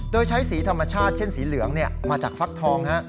โดยใช้สีธรรมชาติเช่นสีเหลืองมาจากฟักทอง